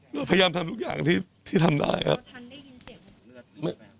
เราพยายามทำทุกอย่างที่ทำได้ครับ